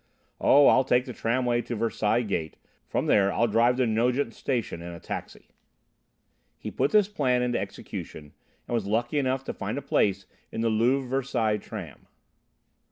Oh, I'll take the tramway to Versailles' gate. From there I'll drive to Nogent Station in a taxi." He put this plan into execution, and was lucky enough to find a place in the Louvre Versailles' tram.